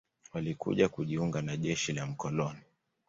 Walikuja kujiunga na jeshi la mkoloni